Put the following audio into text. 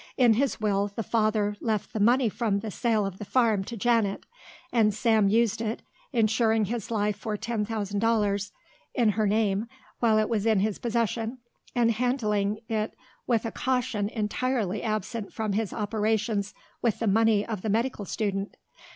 In his will the father left the money from the sale of the farm to Janet, and Sam used it, insuring his life for ten thousand dollars in her name while it was in his possession and handling it with a caution entirely absent from his operations with the money of the medical student.